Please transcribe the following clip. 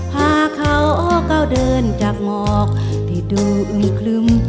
พาเขาเข้าเดินจากหมอกที่ดูอุ่งคลึม